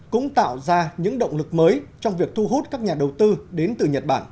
cũng tạo ra những động lực mới trong việc thu hút các nhà đầu tư